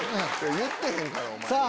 言ってへんからお前が。